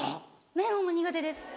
メロンも苦手です。